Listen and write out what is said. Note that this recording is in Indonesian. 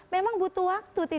memang butuh waktu